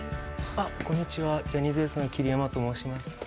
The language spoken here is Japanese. あこんにちはジャニーズＷＥＳＴの桐山と申します